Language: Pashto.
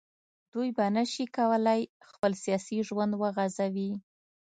دوی به نه شي کولای خپل سیاسي ژوند وغځوي